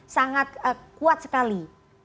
sangat kuat sekali